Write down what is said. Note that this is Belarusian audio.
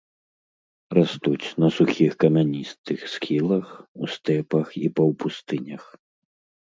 Растуць на сухіх камяністых схілах, у стэпах і паўпустынях.